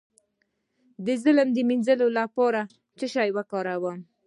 د ظلم د مینځلو لپاره باید څه شی وکاروم؟